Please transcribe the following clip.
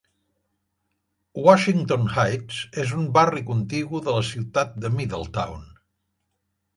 Washington Heights és un barri contigu de la ciutat de Middletown.